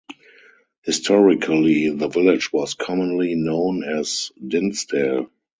Historically the village was commonly known as Dinsdale.